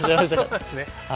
そうなんですね。